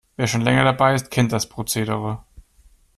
Wer schon länger dabei ist, kennt das Prozedere.